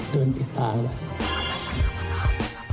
เดินติดต่างแล้ว